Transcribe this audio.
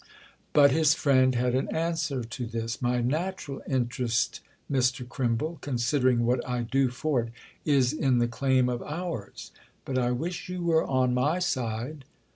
But his friend had an answer to this. "My natural interest, Mr. Crimble—considering what I do for it—is in the claim of ours. But I wish you were on my side!"